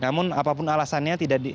namun apapun alasannya